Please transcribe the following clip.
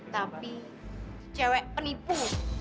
tapi cewek penipu